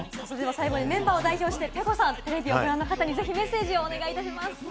最後にメンバーを代表してｐｅｋｏさん、テレビをご覧の方にメッセージをお願いします。